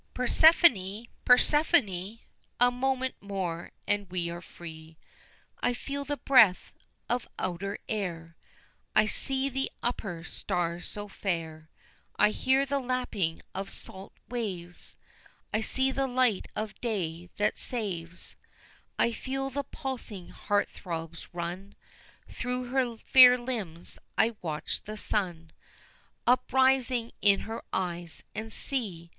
Persephone! Persephone! A moment more and we are free; I feel the breath of outer air, I see the upper stars so fair, I hear the lapping of salt waves, I see the light of day that saves, I feel the pulsing heart throbs run Through her fair limbs, I watch the sun Uprising in her eyes and see!